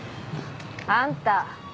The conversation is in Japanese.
・あんた。